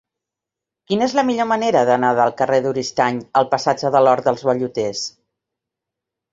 Quina és la millor manera d'anar del carrer d'Oristany al passatge de l'Hort dels Velluters?